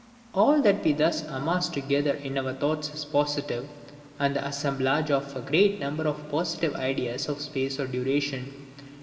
All that we thus amass together in our thoughts is positive, and the assemblage of a great number of positive ideas of space or duration.